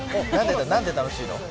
なんで楽しいの？